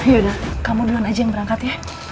yaudah kamu dengan aja yang berangkat ya